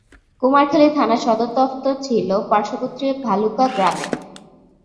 কুমারখালী থানার সদর দফতর ছিল পার্শ্ববর্তী ভালুকা গ্রামে।